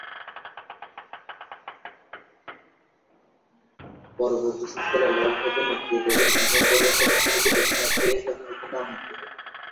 পরবর্তী শীতকালে লর্ড হকের নেতৃত্বাধীন ইংল্যান্ড দলের সদস্যরূপে দক্ষিণ আফ্রিকা সফরের জন্য আমন্ত্রিত হন।